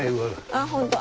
ああ本当！